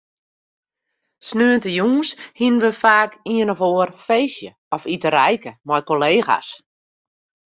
Sneontejûns hiene we faak ien of oar feestje of iterijke mei kollega's.